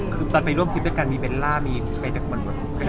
คือตอนไปร่วมชีวิตด้วยกันมีเบลล่ามีไปด้วยกันหมด